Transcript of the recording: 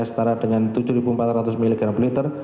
setara dengan tujuh empat ratus mg per liter